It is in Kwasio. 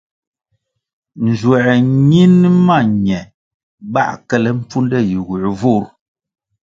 Nzuer ñin ma ñe bãh kele mpfunde yiguer vur.